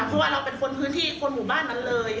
เพราะว่าเราเป็นคนพื้นที่คนหมู่บ้านนั้นเลย